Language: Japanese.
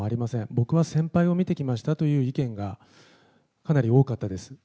僕は先輩を見てきましたという意見がかなり多かったです。